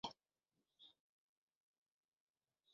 城区整体位于平原地带。